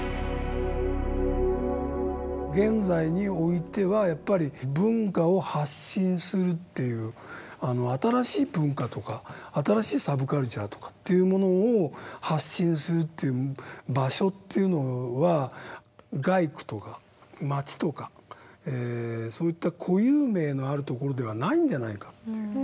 現在においてはやっぱり文化を発信するっていう新しい文化とか新しいサブカルチャーとかというものを発信するっていう場所というのは街区とか街とかそういった固有名のあるところではないんじゃないかっていう。